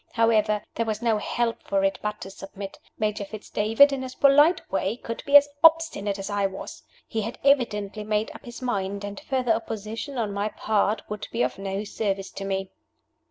However, there was no help for it but to submit. Major Fitz David, in his polite way, could be as obstinate as I was. He had evidently made up his mind; and further opposition on my part would be of no service to me.